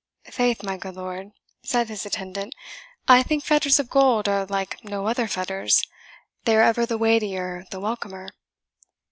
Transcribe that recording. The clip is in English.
"Faith, my good lord," said his attendant, "I think fetters of gold are like no other fetters they are ever the weightier the welcomer."